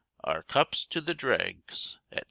Our cups to the dregs, &c.